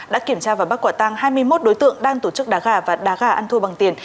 đã kiểm tra và bắt quả tăng hai mươi một đối tượng đang tổ chức đá gà và đá gà ăn thua bằng tiền